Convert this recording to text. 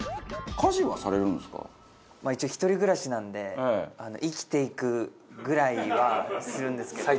まあ一応一人暮らしなんで生きていくぐらいはするんですけど。